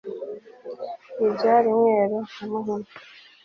ibyara mweru na muhima